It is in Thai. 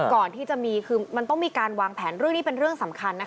ก่อนที่จะมีคือมันต้องมีการวางแผนเรื่องนี้เป็นเรื่องสำคัญนะคะ